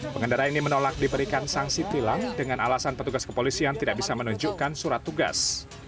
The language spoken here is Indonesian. pengendara ini menolak diberikan sanksi tilang dengan alasan petugas kepolisian tidak bisa menunjukkan surat tugas